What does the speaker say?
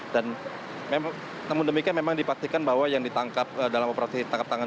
dan memang namun demikian memang dipastikan bahwa yang ditangkap dalam operasi tangkap tangan